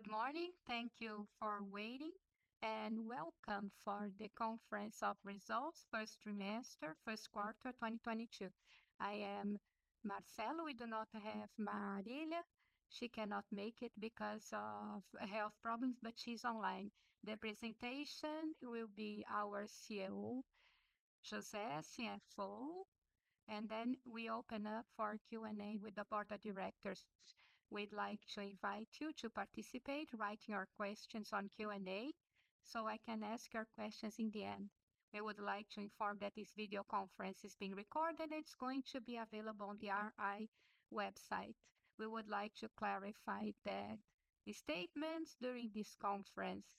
Good morning, thank you for waiting, and welcome to the Conference of Results first quarter 2022. I am Marcelo, we do not have Marília; she cannot make it because of health problems, but she's online. The presentation will be our COO, José, CFO, and then we open up for Q&A with the Board of Directors. We'd like to invite you to participate writing your questions on Q&A, so I can ask your questions in the end. We would like to inform that this video conference is being recorded; it's going to be available on the RI website. We would like to clarify that the statements during this conference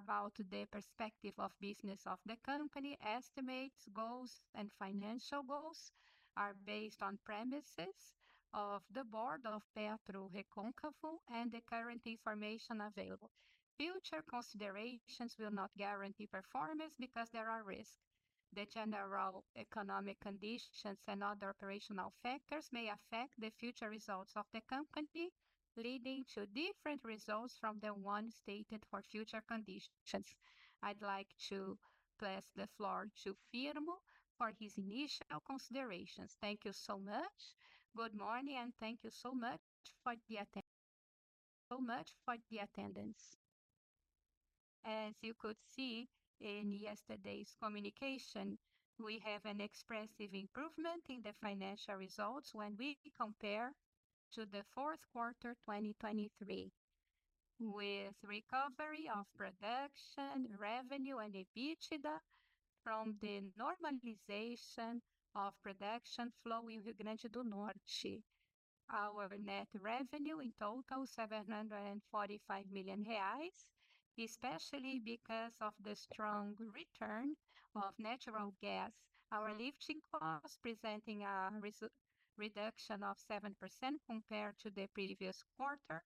about the perspective of business of the company, estimates, goals, and financial goals are based on premises of the Board of Petro Recôncavo and the current information available. Future considerations will not guarantee performance because there are risks. The general economic conditions and other operational factors may affect the future results of the company, leading to different results from the one stated for future conditions. I'd like to pass the floor to Firmo for his initial considerations. Thank you so much, good morning, and thank you so much for the attendance. As you could see in yesterday's communication, we have an expressive improvement in the financial results when we compare to the fourth quarter 2023, with recovery of production, revenue, and EBITDA from the normalization of production flow in Rio Grande do Norte. Our net revenue in total is 745 million reais, especially because of the strong return of natural gas, our lifting costs presenting a reduction of 7% compared to the previous quarter,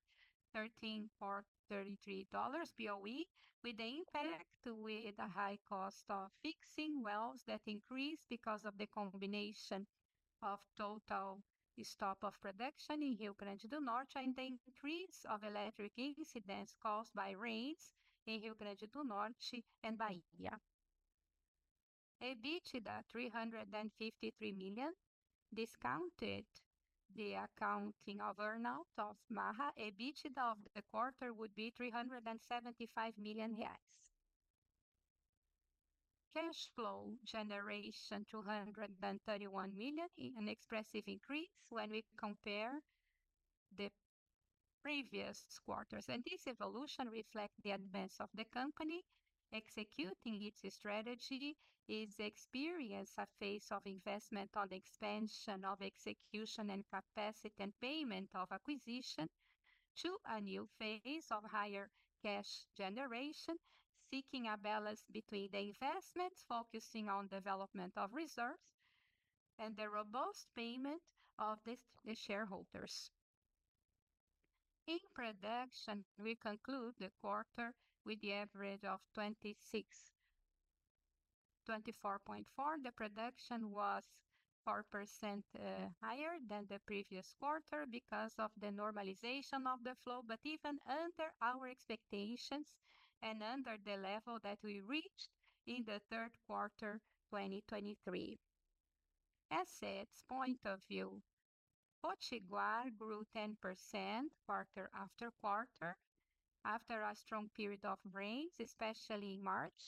$13.33/BOE, with the impact of the high cost of fixing wells that increased because of the combination of total stop of production in Rio Grande do Norte and the increase of electric incidents caused by rains in Rio Grande do Norte and Bahia. EBITDA: BRL 353 million, discounted the accounting of earnout of Maha, EBITDA of the quarter would be 375 million reais. Cash flow generation: 231 million, an expressive increase when we compare the previous quarters. This evolution reflects the advance of the company executing its strategy: its experiencing a phase of investment on the expansion of execution and capacity and payment of acquisition to a new phase of higher cash generation, seeking a balance between the investments focusing on development of reserves and the robust payment of the shareholders. In production, we conclude the quarter with the average of 24.4%. The production was 4% higher than the previous quarter because of the normalization of the flow, but even under our expectations and under the level that we reached in the third quarter 2023. Assets point of view: Potiguar grew 10% quarter-over-quarter after a strong period of rains, especially in March,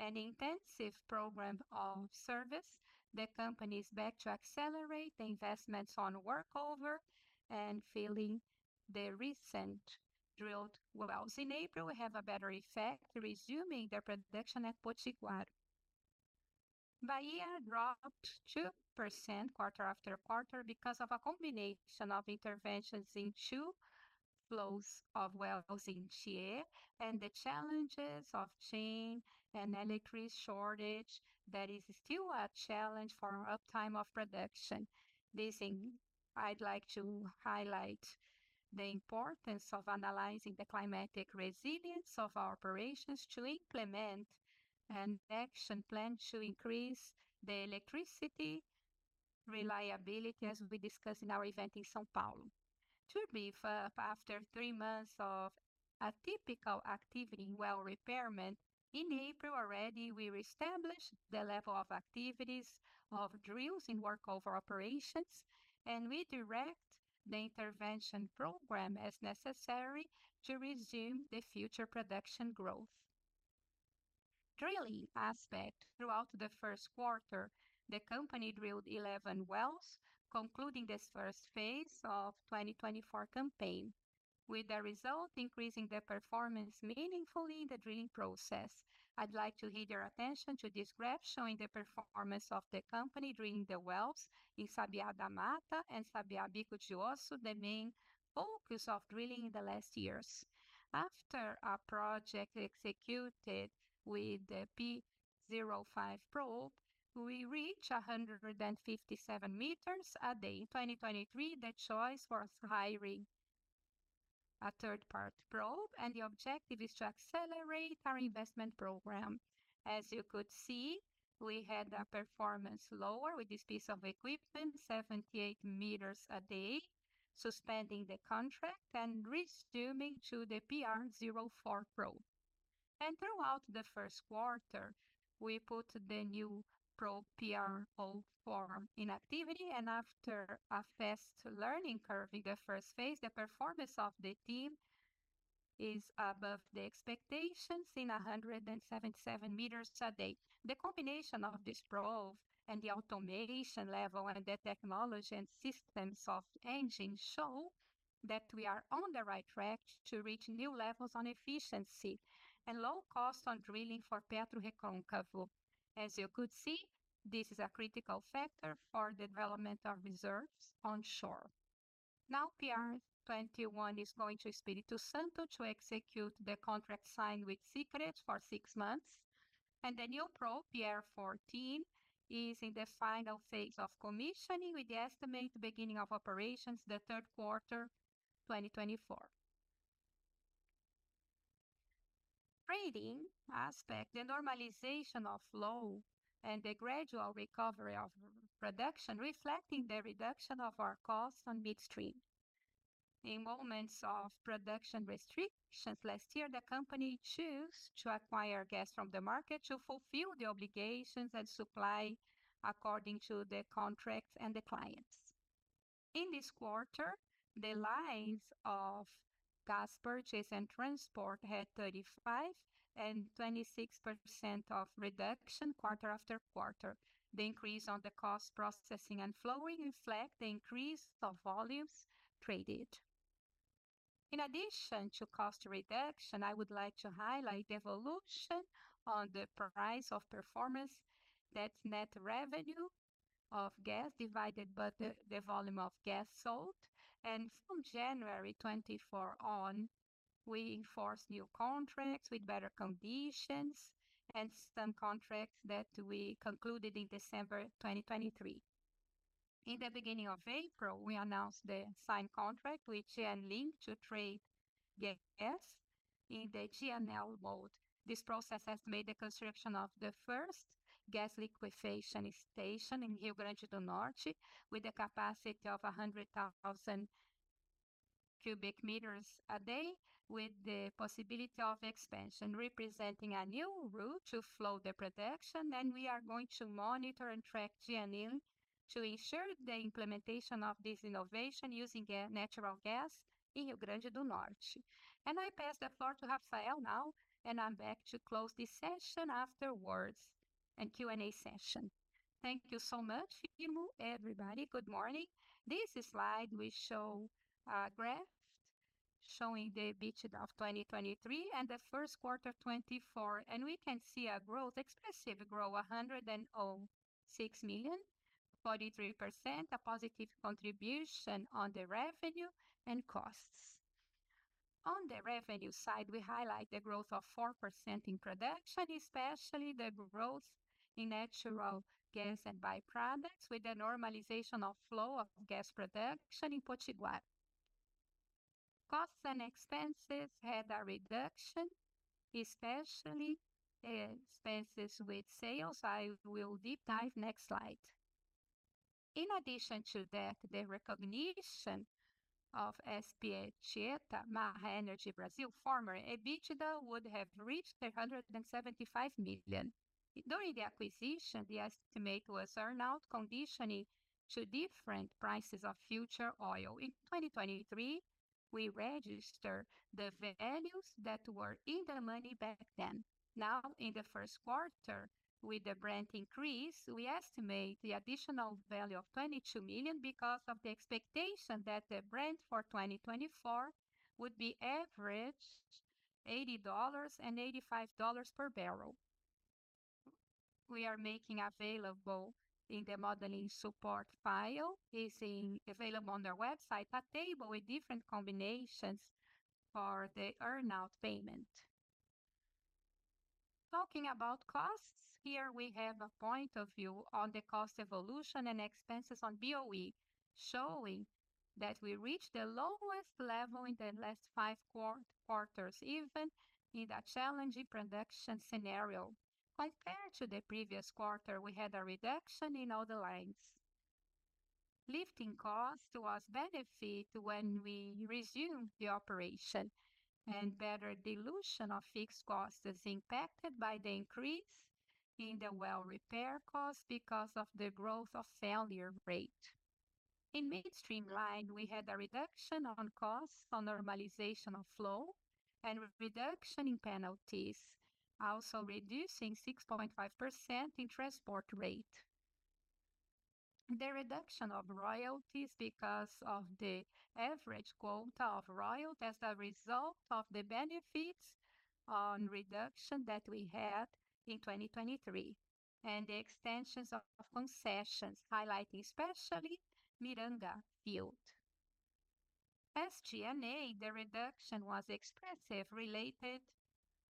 an intensive program of service. The company is back to accelerate the investments on workover and filling the recent drilled wells. In April, we have a better effect, resuming the production at Potiguar. Bahia dropped 2% quarter-over-quarter because of a combination of interventions in two flows of wells in Tiê and the challenges of rain and electric shortage that is still a challenge for uptime of production. I'd like to highlight the importance of analyzing the climatic resilience of our operations to implement an action plan to increase the electricity reliability, as we discussed in our event in São Paulo. To review, after three months of atypical activity in well repairment, in April already we reestablished the level of activities of drills in workover operations, and we direct the intervention program as necessary to resume the future production growth. Drilling aspect: Throughout the first quarter, the company drilled 11 wells, concluding this phase I of the 2024 campaign, with the result increasing the performance meaningfully in the drilling process. I'd like to heed your attention to this graph showing the performance of the company drilling the wells in Sabiá da Mata and Sabiá Bico de Osso, the main focus of drilling in the last years. After a project executed with the P05 probe, we reached 157 meters a day. In 2023, the choice was hiring a third-party probe, and the objective is to accelerate our investment program. As you could see, we had a performance lower with this piece of equipment, 78 meters a day, suspending the contract and resuming to the PR-04 probe. And throughIout the first quarter, we put the new probe PR-04 in activity, and after a fast learning curve in the phase I, the performance of the team is above the expectations in 177 meters a day. The combination of this rig and the automation level and the technology and systems of engine show that we are on the right track to reach new levels on efficiency and low cost on drilling for Petro Recôncavo. As you could see, this is a critical factor for the development of reserves onshore. Now PR-21 is going to Espírito Santo to execute the contract signed with Seacrest for six months, and the new rig PR-14 is in the final phase of commissioning with the estimated beginning of operations the third quarter 2024. Trading aspect: the normalization of flow and the gradual recovery of production, reflecting the reduction of our costs on midstream. In moments of production restrictions last year, the company chose to acquire gas from the market to fulfill the obligations and supply according to the contract and the clients. In this quarter, the lines of gas purchase and transport had 35% and 26% reduction quarter-over-quarter. The increase on the cost processing and flowing reflects the increase of volumes traded. In addition to cost reduction, I would like to highlight the evolution on the price of performance, that's net revenue of gas divided by the volume of gas sold. From January 2024 on, we enforced new contracts with better conditions and some contracts that we concluded in December 2023. In the beginning of April, we announced the signed contract with GNLink to trade gas in the GNL mode. This process estimated the construction of the first gas liquefaction station in Rio Grande do Norte with a capacity of 100,000 cubic meters a day, with the possibility of expansion representing a new route to flow the production. And we are going to monitor and track GNL to ensure the implementation of this innovation using natural gas in Rio Grande do Norte. And I pass the floor to Rafael now, and I'm back to close this session afterwards and Q&A session. Thank you so much, Firmo. Everybody, good morning. This slide will show a graph showing the EBITDA of 2023 and the first quarter 2024, and we can see a growth, expressive growth: 106 million, 43%, a positive contribution on the revenue and costs. On the revenue side, we highlight the growth of 4% in production, especially the growth in natural gas and byproducts with the normalization of flow of gas production in Potiguar. Costs and expenses had a reduction, especially expenses with sales. I will deep dive next slide. In addition to that, the recognition of SPET, Maha Energy Brasil former EBITDA would have reached 175 million. During the acquisition, the estimate was earnout conditioning to different prices of future oil. In 2023, we registered the values that were in the money back then. Now, in the first quarter, with the Brent increase, we estimate the additional value of 22 million because of the expectation that the Brent for 2024 would be averaged $80-$85 per barrel. We are making available in the modeling support file, is available on our website, a table with different combinations for the earnout payment. Talking about costs, here we have a point of view on the cost evolution and expenses on BOE, showing that we reached the lowest level in the last 5 quarters, even in the challenging production scenario. Compared to the previous quarter, we had a reduction in all the lines. Lifting costs was a benefit when we resumed the operation, and better dilution of fixed costs is impacted by the increase in the well repair costs because of the growth of failure rate. In midstream line, we had a reduction on costs on normalization of flow and reduction in penalties, also reducing 6.5% in transport rate. The reduction of royalties because of the average quota of royalty as a result of the benefits on reduction that we had in 2023, and the extensions of concessions, highlighting especially Miranga field. As GNA, the reduction was expressive related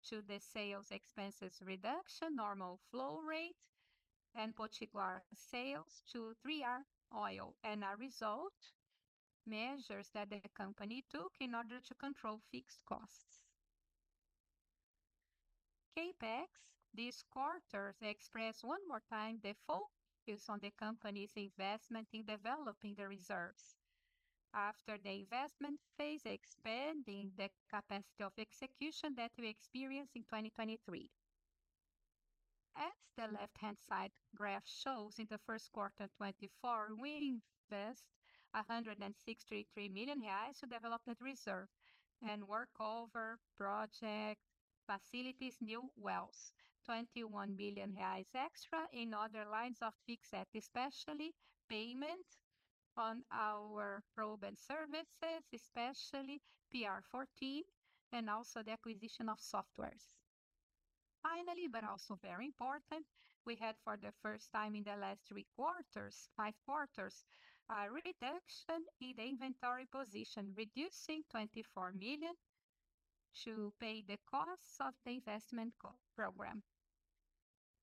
to the sales expenses reduction, normal flow rate, and Potiguar sales to 3R oil, and a result measures that the company took in order to control fixed costs. CapEx: this quarter expressed one more time the focus on the company's investment in developing the reserves after the investment phase, expanding the capacity of execution that we experienced in 2023. As the left-hand side graph shows, in the first quarter 2024, we invested 163 million reais to develop the reserve and workover project facilities, new wells, 21 million reais extra in other lines of fixed assets, especially payment on our rig and services, especially PR-14, and also the acquisition of software. Finally, but also very important, we had for the first time in the last three quarters, five quarters, a reduction in the inventory position, reducing 24 million to pay the costs of the investment program.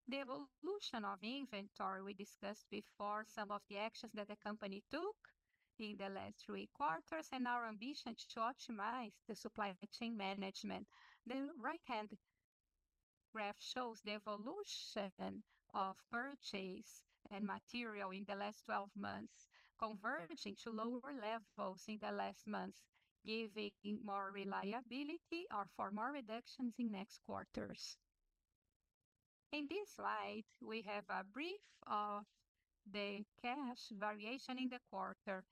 The evolution of inventory we discussed before, some of the actions that the company took in the last three quarters, and our ambition to optimize the supply chain management. The right-hand graph shows the evolution of purchase and material in the last 12 months, converging to lower levels in the last months, giving more reliability for more reductions in next quarters. In this slide, we have a brief of the cash variation in the quarter.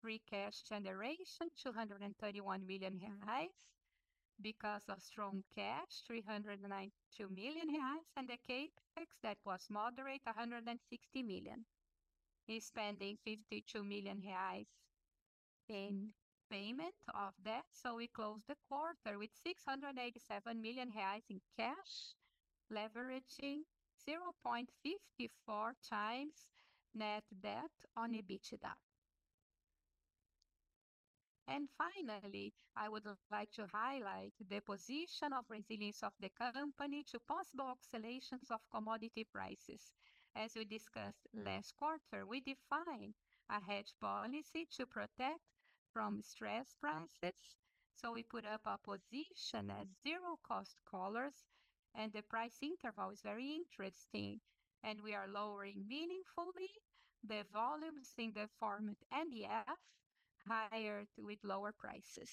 Free cash generation: 231 million because of strong cash, 392 million, and the Capex that was moderate: 160 million. Spending 52 million in payment of debt, so we closed the quarter with 687 million in cash, leveraging 0.54 times net debt on EBITDA. Finally, I would like to highlight the position of resilience of the company to possible oscillations of commodity prices. As we discussed last quarter, we define a hedge policy to protect from stress prices, so we put up a position as zero-cost collars, and the price interval is very interesting, and we are lowering meaningfully the volumes in the format NEF, hedged with lower prices.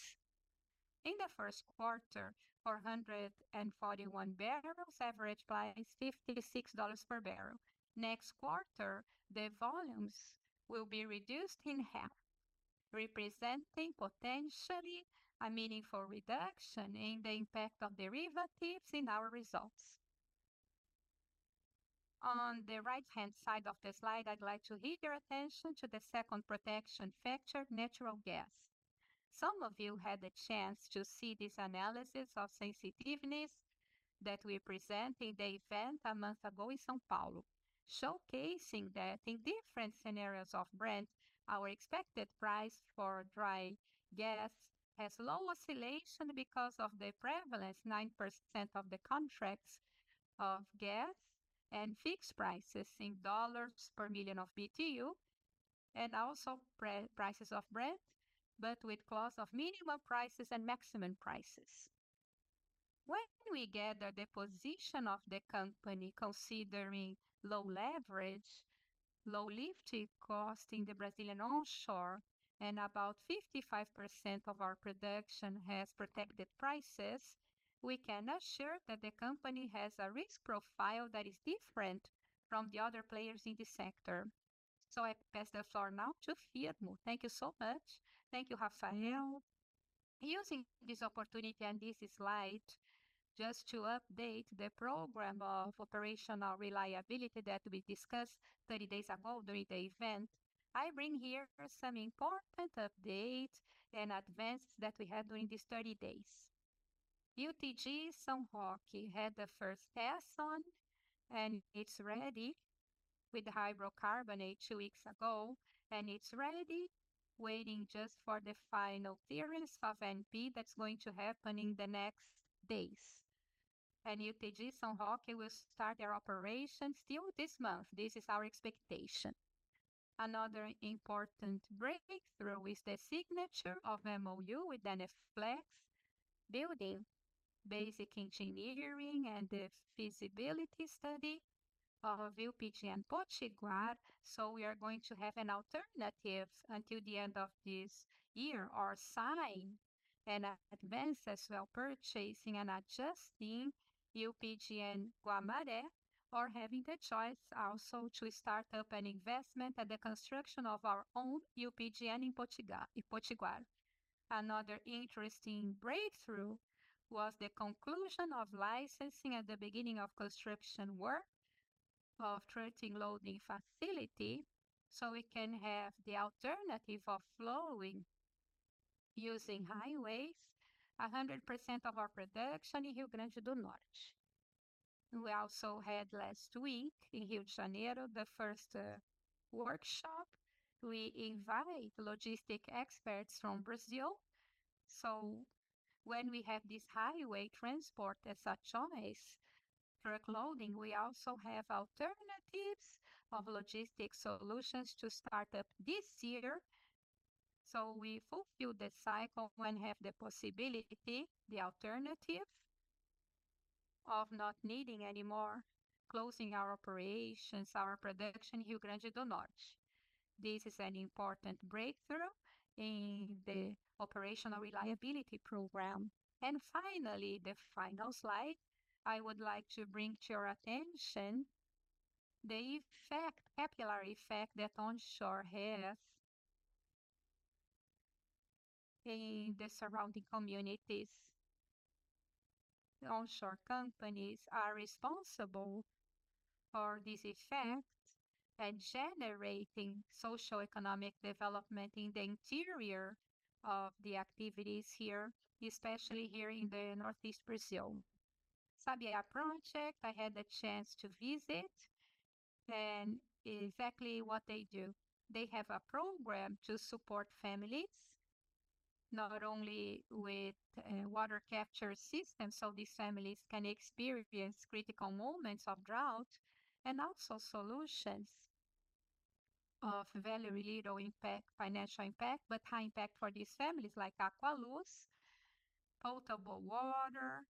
In the first quarter, 441 barrels averaged price $56 per barrel. Next quarter, the volumes will be reduced in half, representing potentially a meaningful reduction in the impact of derivatives in our results. On the right-hand side of the slide, I'd like to direct your attention to the second protection factor: natural gas. Some of you had the chance to see this analysis of sensitivity that we presented in the event a month ago in São Paulo, showcasing that in different scenarios of Brent, our expected price for dry gas has low oscillation because of the prevalence: 9% of the contracts of gas and fixed prices in $ per million of BTU, and also prices of Brent, but with clause of minimum prices and maximum prices. When we gather the position of the company considering low leverage, low lifting cost in the Brazilian onshore, and about 55% of our production has protected prices, we can assure that the company has a risk profile that is different from the other players in the sector. So I pass the floor now to Firmo. Thank you so much. Thank you, Rafael. Using this opportunity and this slide just to update the program of operational reliability that we discussed 30 days ago during the event, I bring here some important updates and advances that we had during these 30 days. UTG São Roque had the first test on, and it's ready with the hydrocarbons two weeks ago, and it's ready, waiting just for the final approvals of ANP that's going to happen in the next days. UTG São Roque will start their operations still this month. This is our expectation. Another important breakthrough is the signature of MOU with Enerflex, building basic engineering and the feasibility study of UPG and Potiguar, so we are going to have an alternative until the end of this year or sign an advance as well purchasing and adjusting UPG and Guamaré, or having the choice also to start up an investment at the construction of our own UPG and in Potiguar. Another interesting breakthrough was the conclusion of licensing at the beginning of construction work of trucking loading facility, so we can have the alternative of flowing using highways, 100% of our production in Rio Grande do Norte. We also had last week in Rio de Janeiro the first workshop. We invite logistics experts from Brazil, so when we have this highway transport as a choice for loading, we also have alternatives of logistics solutions to start up this year, so we fulfill the cycle when we have the possibility, the alternative of not needing anymore, closing our operations, our production in Rio Grande do Norte. This is an important breakthrough in the operational reliability program. Finally, the final slide, I would like to bring to your attention the effect, capillary effect that onshore has in the surrounding communities. Onshore companies are responsible for this effect and generating socioeconomic development in the interior of the activities here, especially here in the northeast Brazil. Sabiá project, I had the chance to visit, and exactly what they do. They have a program to support families, not only with water capture systems, so these families can experience critical moments of drought, and also solutions of very little impact, financial impact, but high impact for these families like Aqualuz, potable water,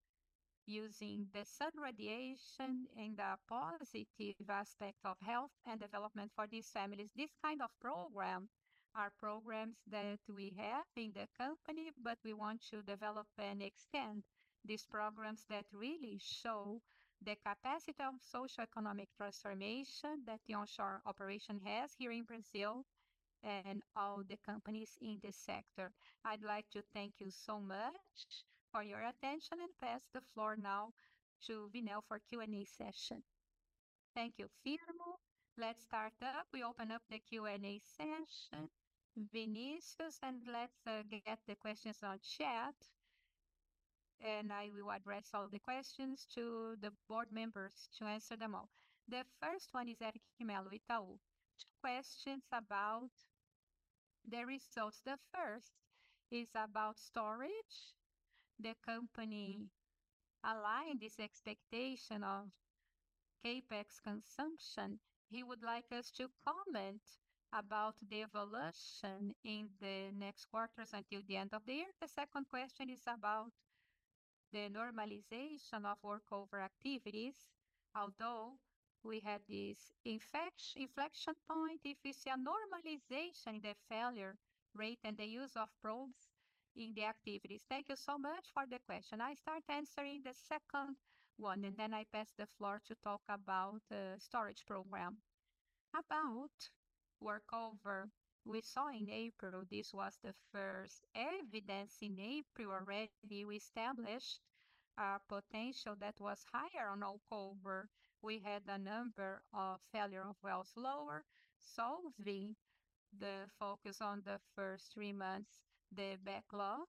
using the sun radiation and the positive aspect of health and development for these families. This kind of program are programs that we have in the company, but we want to develop and extend these programs that really show the capacity of socioeconomic transformation that the onshore operation has here in Brazil and all the companies in the sector. I'd like to thank you so much for your attention and pass the floor now to Vinel for Q&A session. Thank you, Firmo. Let's start up. We open up the Q&A session, Vinícius, and let's get the questions on chat, and I will address all the questions to the board members to answer them all. The first one is Eric de Mello, Itaú. Two questions about the results. The first is about storage. The company aligned this expectation of Capex consumption. He would like us to comment about the evolution in the next quarters until the end of the year. The second question is about the normalization of workover activities, although we had this inflection point. If you see a normalization in the failure rate and the use of probes in the activities. Thank you so much for the question. I start answering the second one, and then I pass the floor to talk about the storage program. About workover, we saw in April. This was the first evidence in April already. We established a potential that was higher overall. We had a number of failures of wells lower, solving the focus on the first three months, the backlog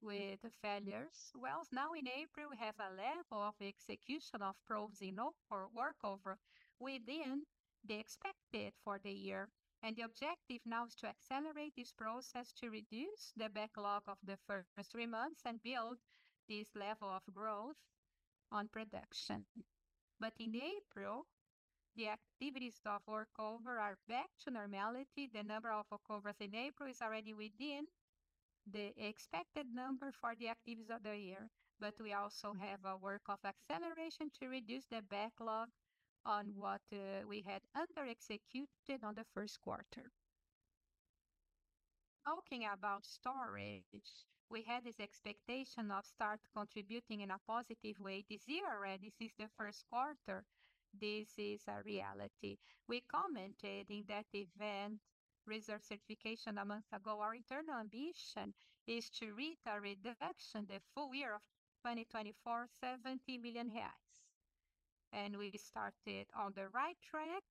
with failures. Wells, now in April, we have a level of execution of jobs in all workover within the expected for the year, and the objective now is to accelerate this process to reduce the backlog of the first three months and build this level of growth on production. But in April, the activities of workover are back to normality. The number of workovers in April is already within the expected number for the activities of the year, but we also have a work of acceleration to reduce the backlog on what we had under-executed on the first quarter. Talking about storage, we had this expectation of start contributing in a positive way this year already. This is the first quarter. This is a reality. We commented in that event, reserve certification a month ago, our internal ambition is to reach a reduction, the full year of 2024, 70 million reais. And we started on the right track.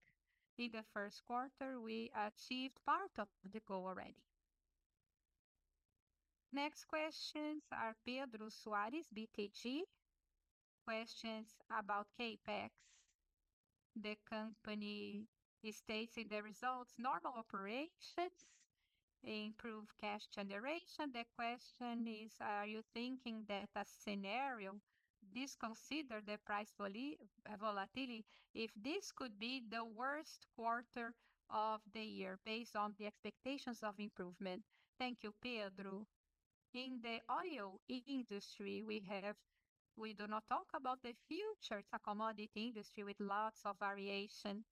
In the first quarter, we achieved part of the goal already. Next questions are Pedro Soares, BTG. Questions about Capex. The company states in the results, normal operations, improved cash generation. The question is, are you thinking that a scenario disconsidered the price volatility if this could be the worst quarter of the year based on the expectations of improvement? Thank you, Pedro. In the oil industry, we do not talk about the future. It's a commodity industry with lots of variation.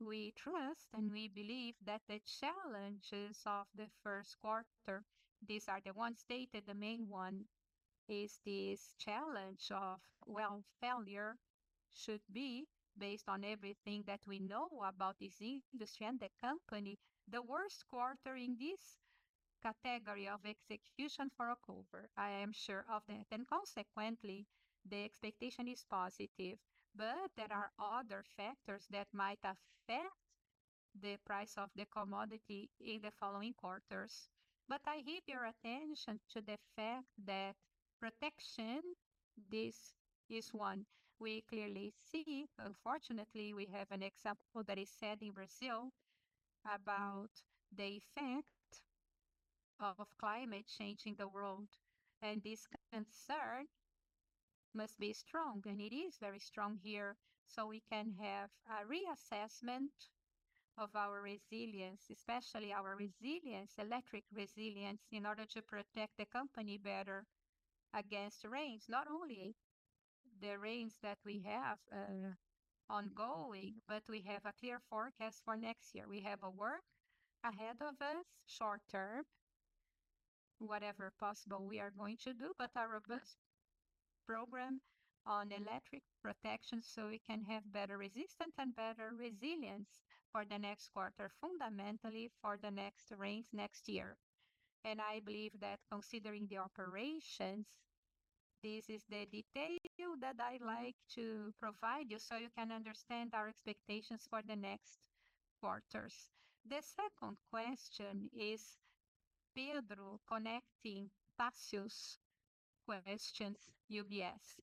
We trust and we believe that the challenges of the first quarter, these are the ones stated, the main one is this challenge of well failure should be based on everything that we know about this industry and the company, the worst quarter in this category of execution for the operator, I am sure of that, and consequently, the expectation is positive, but there are other factors that might affect the price of the commodity in the following quarters. But I draw your attention to the fact that protection, this is one. We clearly see, unfortunately, we have an example that is said in Brazil about the effect of climate change in the world, and this concern must be strong, and it is very strong here, so we can have a reassessment of our resilience, especially our resilience, electric resilience, in order to protect the company better against rains, not only the rains that we have ongoing, but we have a clear forecast for next year. We have work ahead of us, short term, whatever possible we are going to do, but a robust program on electric protection so we can have better resistance and better resilience for the next quarter, fundamentally for the next rains next year. And I believe that considering the operations, this is the detail that I like to provide you so you can understand our expectations for the next quarters. The second question is Pedro connecting Tácio's questions, UBS.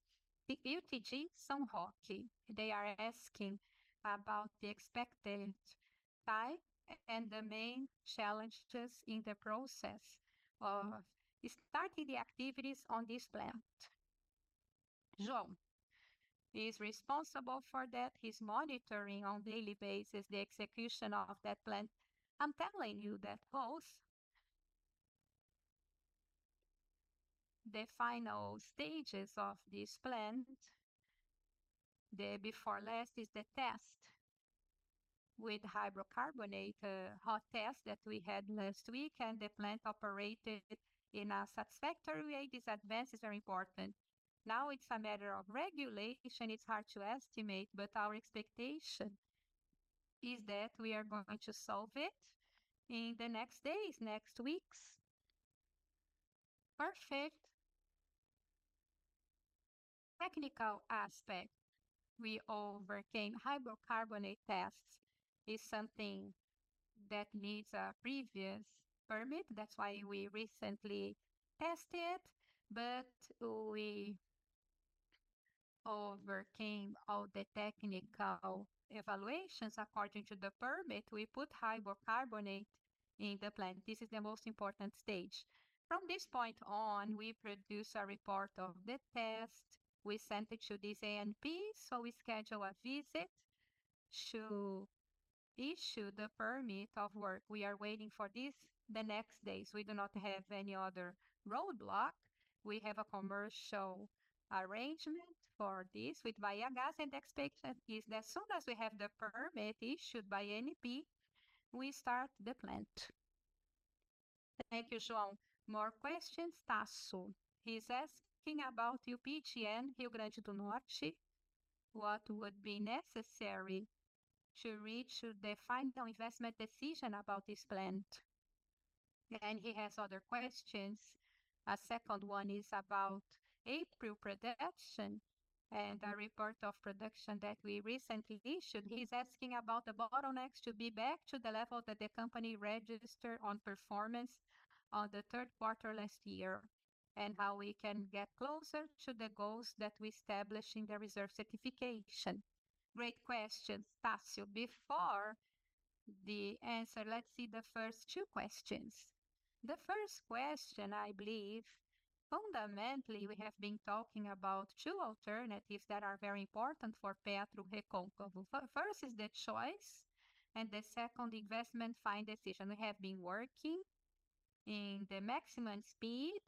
UTG São Roque, they are asking about the expected time and the main challenges in the process of starting the activities on this plant. João is responsible for that. He's monitoring on a daily basis the execution of that plant. I'm telling you that both the final stages of this plant, the before last is the test with hydrocarbons, a hot test that we had last week, and the plant operated in a satisfactory way. These advances are important. Now it's a matter of regulation. It's hard to estimate, but our expectation is that we are going to solve it in the next days, next weeks. Perfect. Technical aspect, we overcame hydrocarbons tests. It's something that needs a previous permit. That's why we recently tested it, but we overcame all the technical evaluations according to the permit. We put hydrocarbonate in the plant. This is the most important stage. From this point on, we produce a report of the test. We sent it to this ANP, so we schedule a visit to issue the permit of work. We are waiting for this the next days. We do not have any other roadblock. We have a commercial arrangement for this with Bahiagás and expect is that as soon as we have the permit issued by ANP, we start the plant. Thank you, João. More questions, Tácio. He's asking about UPG and Rio Grande do Norte. What would be necessary to reach the final investment decision about this plant? And he has other questions. A second one is about April production and a report of production that we recently issued. He's asking about the bottlenecks to be back to the level that the company registered on performance on the third quarter last year and how we can get closer to the goals that we established in the reserve certification. Great questions, Tácio. Before the answer, let's see the first two questions. The first question, I believe, fundamentally we have been talking about two alternatives that are very important for Petro Recôncavo. First is the choice, and the second investment fine decision. We have been working in the maximum speed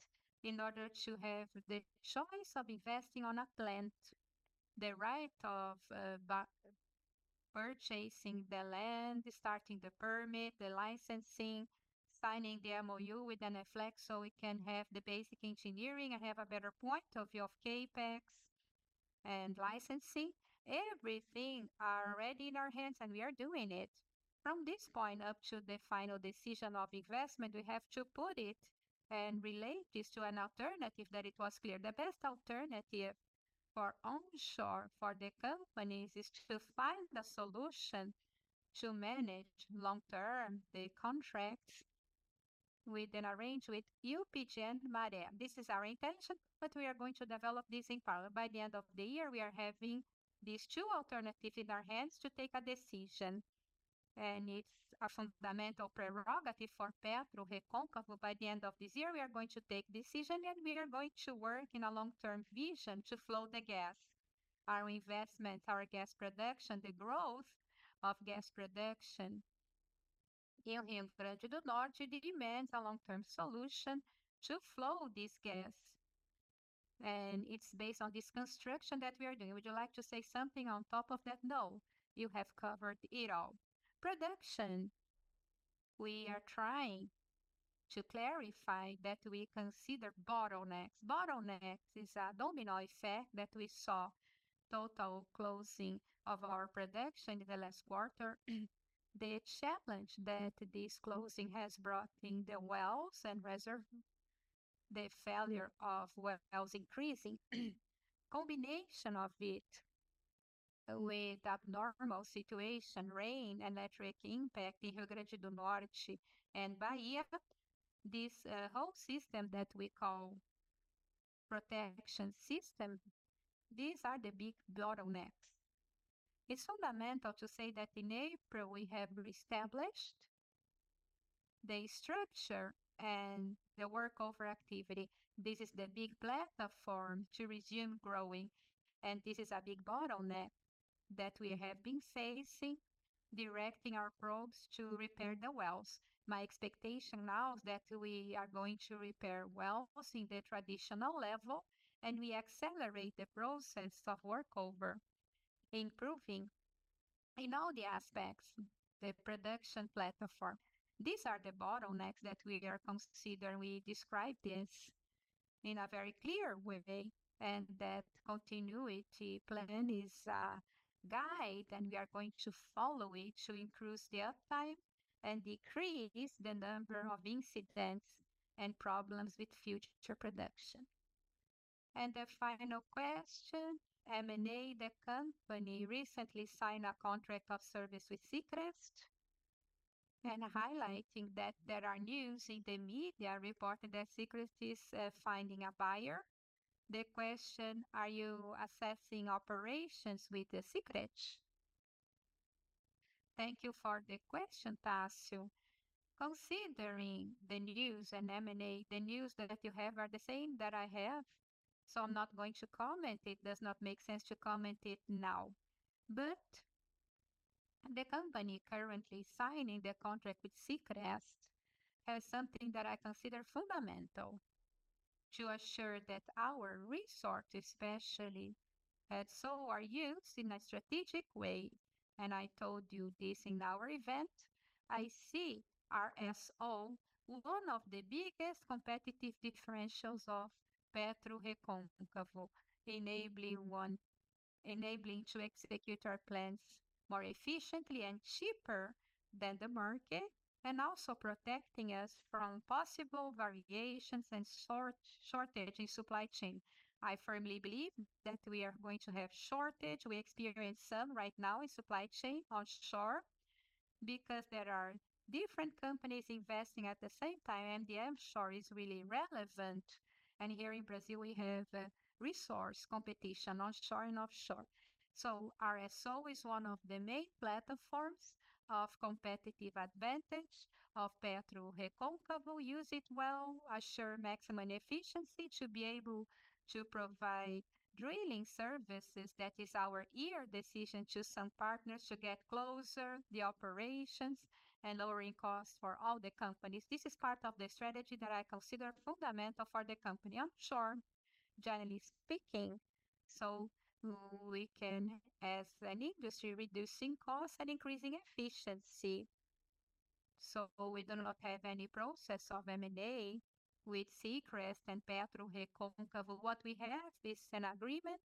in order to have the choice of investing on a plant, the right of purchasing the land, starting the permit, the licensing, signing the MOU with Enerflex so we can have the basic engineering. I have a better point of view of Capex and licensing. Everything is already in our hands, and we are doing it. From this point up to the final decision of investment, we have to put it and relate this to an alternative that it was clear. The best alternative for onshore, for the companies, is to find a solution to manage long-term the contracts with an arrangement with UPG and Marem. This is our intention, but we are going to develop this in power. By the end of the year, we are having these two alternatives in our hands to take a decision, and it's a fundamental prerogative for Petro Recôncavo. By the end of this year, we are going to take a decision, and we are going to work in a long-term vision to flow the gas, our investments, our gas production, the growth of gas production in Rio Grande do Norte demands a long-term solution to flow this gas. And it's based on this construction that we are doing. Would you like to say something on top of that? No, you have covered it all. Production, we are trying to clarify that we consider bottlenecks. Bottlenecks is a domino effect that we saw total closing of our production in the last quarter. The challenge that this closing has brought in the wells and reservoir, the failure of wells increasing, combination of it with abnormal situation, rain, electric impact in Rio Grande do Norte and Bahia, this whole system that we call protection system, these are the big bottlenecks. It's fundamental to say that in April we have reestablished the structure and the workover activity. This is the big platform to resume growing, and this is a big bottleneck that we have been facing, directing our probes to repair the wells. My expectation now is that we are going to repair wells in the traditional level, and we accelerate the process of workover, improving in all the aspects, the production platform. These are the bottlenecks that we are considering. We describe this in a very clear way, and that continuity plan is a guide, and we are going to follow it to increase the uptime and decrease the number of incidents and problems with future production. The final question, M&A, the company recently signed a contract of service with Seacrest, and highlighting that there are news in the media reporting that Seacrest is finding a buyer. The question, are you assessing operations with Seacrest? Thank you for the question, Tácio. Considering the news and M&A, the news that you have are the same that I have, so I'm not going to comment. It does not make sense to comment it now. But the company currently signing the contract with Seacrest has something that I consider fundamental to assure that our resources, especially so, are used in a strategic way. And I told you this in our event. I see RSO, one of the biggest competitive differentials of Petro Recôncavo, enabling one to execute our plans more efficiently and cheaper than the market, and also protecting us from possible variations and shortage in supply chain. I firmly believe that we are going to have shortage. We experience some right now in supply chain onshore because there are different companies investing at the same time, and the onshore is really relevant. And here in Brazil, we have resource competition onshore and offshore. So RSO is one of the main platforms of competitive advantage of Petro Recôncavo. Use it well, assure maximum efficiency to be able to provide drilling services. That is our year decision to some partners to get closer to the operations and lowering costs for all the companies. This is part of the strategy that I consider fundamental for the company onshore, generally speaking, so we can, as an industry, reduce costs and increase efficiency. So we do not have any process of M&A with Seacrest and Petro Recôncavo. What we have is an agreement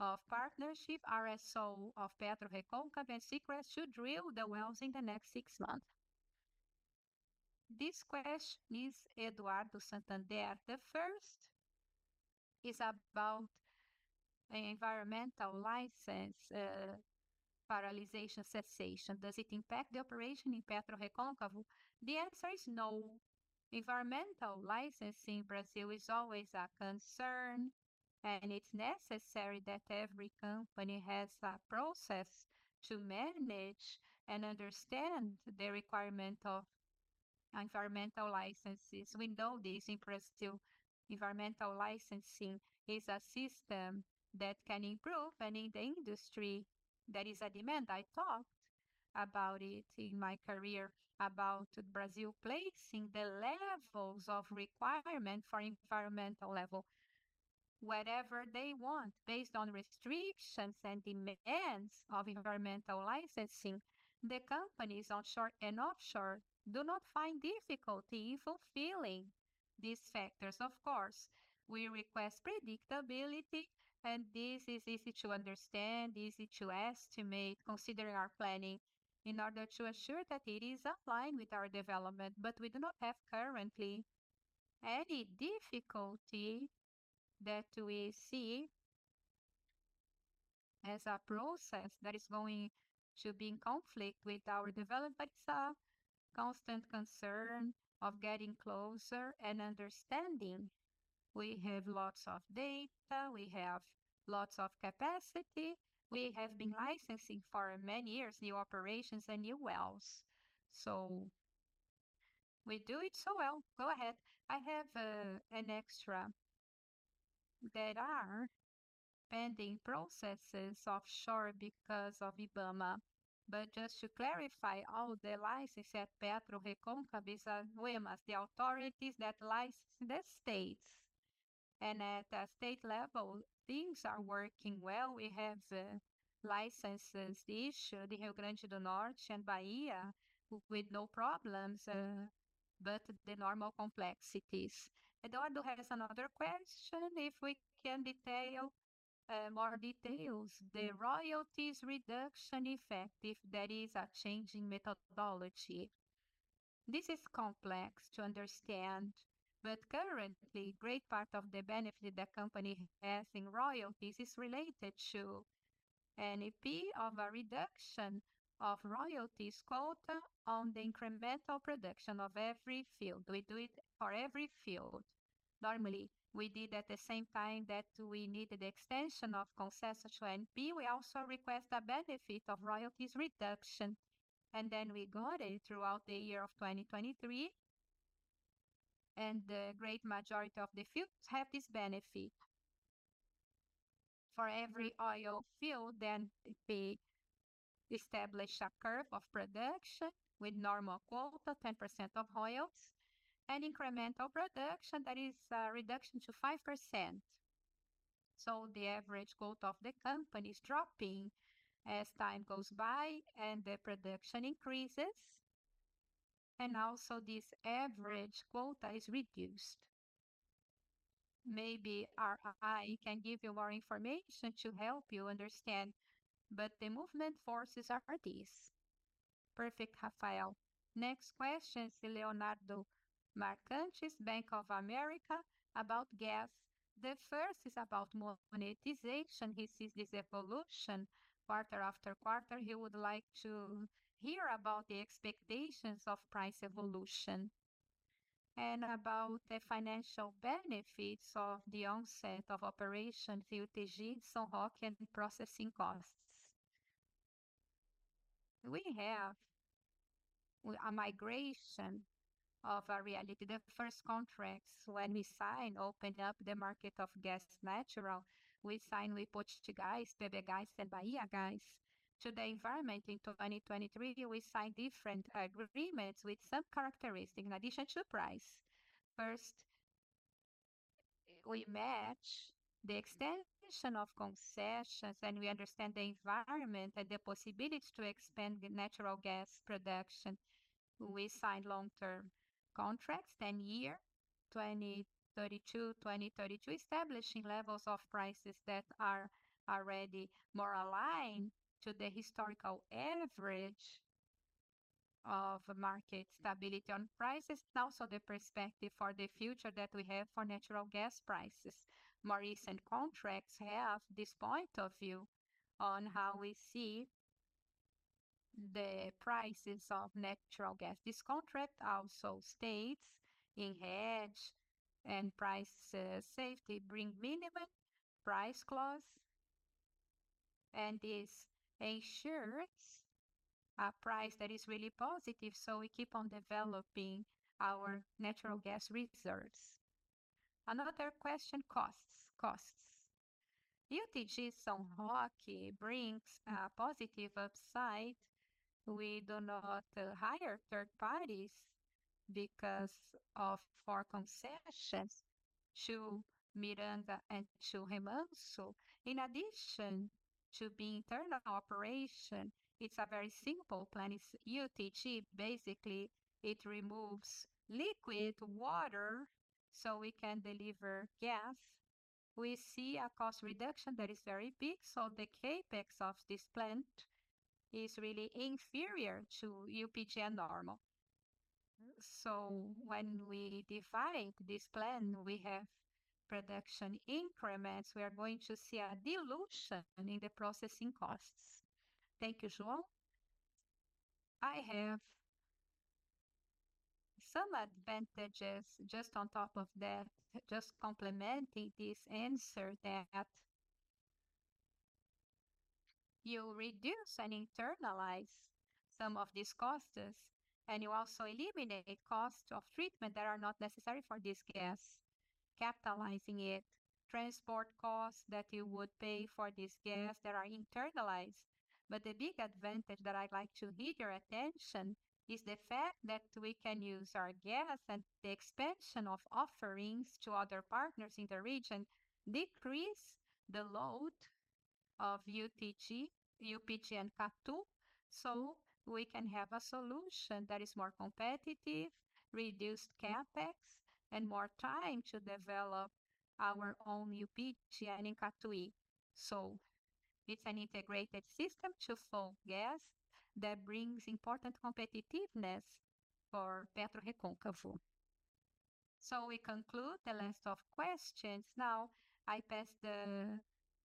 of partnership. RSO of Petro Recôncavo and Seacrest should drill the wells in the next six months. This question is Eduardo Muniz. The first is about environmental license paralyzation cessation. Does it impact the operation in Petro Recôncavo? The answer is no. Environmental licensing in Brazil is always a concern, and it's necessary that every company has a process to manage and understand the requirement of environmental licenses. We know this in Brazil. Environmental licensing is a system that can improve, and in the industry, there is a demand. I talked about it in my career about Brazil placing the levels of requirement for environmental level, whatever they want, based on restrictions and demands of environmental licensing. The companies onshore and offshore do not find difficulty fulfilling these factors. Of course, we request predictability, and this is easy to understand, easy to estimate, considering our planning in order to assure that it is aligned with our development. But we do not have currently any difficulty that we see as a process that is going to be in conflict with our development. But it's a constant concern of getting closer and understanding. We have lots of data. We have lots of capacity. We have been licensing for many years, new operations and new wells. So we do it so well. Go ahead. I have assets that are pending processes offshore because of ANP. But just to clarify, all the licenses at Petro Recôncavo are OEMAs, the authorities that license the states. And at a state level, things are working well. We have licenses issued in Rio Grande do Norte and Bahia with no problems, but the normal complexities. Eduardo has another question: if we can detail more details, the royalties reduction effect, if there is a changing methodology. This is complex to understand, but currently, a great part of the benefit the company has in royalties is related to ANP of a reduction of royalties quota on the incremental production of every field. We do it for every field. Normally, we did at the same time that we needed the extension of concession to ANP. We also request a benefit of royalties reduction, and then we got it throughout the year of 2023. The great majority of the fields have this benefit for every oil field. We establish a curve of production with normal quota, 10% of oils, and incremental production. That is a reduction to 5%. The average quota of the company is dropping as time goes by and the production increases. Also this average quota is reduced. Maybe I can give you more information to help you understand, but the movement forces are these. Perfect, Rafael. Next question is Leonardo Marcondes, Bank of America, about gas. The first is about monetization. He sees this evolution quarter after quarter. He would like to hear about the expectations of price evolution and about the financial benefits of the onset of operation, UTG São Roque, and processing costs. We have a migration of a reality. The first contracts, when we sign, open up the market of natural gas. We sign with Potigás, PBGás, and Bahiagás to the environment. In 2023, we signed different agreements with some characteristics in addition to price. First, we match the extension of concessions, and we understand the environment and the possibility to expand natural gas production. We signed long-term contracts, 10 years, 2032, 2032, establishing levels of prices that are already more aligned to the historical average of market stability on prices. Also, the perspective for the future that we have for natural gas prices. More recent contracts have this point of view on how we see the prices of natural gas. This contract also states in hedge and price safety bring minimum price clause, and this ensures a price that is really positive. So we keep on developing our natural gas reserves. Another question: costs. Costs. UTG São Roque brings a positive upside. We do not hire third parties because of four concessions to Miranga and to Remanso. In addition to being internal operation, it's a very simple plant. It's UTG. Basically, it removes liquid water so we can deliver gas. We see a cost reduction that is very big. So the Capex of this plant is really inferior to UPG and normal. So when we divide this plant, we have production increments. We are going to see a dilution in the processing costs. Thank you, João. I have some advantages just on top of that, just complementing this answer that you reduce and internalize some of these costs, and you also eliminate costs of treatment that are not necessary for this gas, capitalizing it, transport costs that you would pay for this gas that are internalized. But the big advantage that I'd like to hit your attention is the fact that we can use our gas and the expansion of offerings to other partners in the region decrease the load of UTG, UPG, and Catu. So we can have a solution that is more competitive, reduced Capex, and more time to develop our own UPG and in Catu. So it's an integrated system to full gas that brings important competitiveness for Petro Recôncavo. So we conclude the list of questions. Now I pass the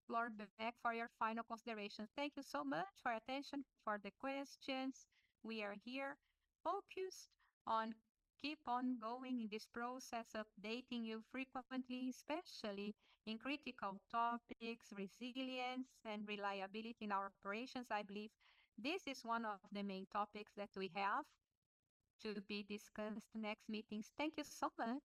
floor back for your final considerations. Thank you so much for your attention, for the questions. We are here focused on keeping on going in this process, updating you frequently, especially in critical topics, resilience and reliability in our operations. I believe this is one of the main topics that we have to be discussed in the next meetings. Thank you so much.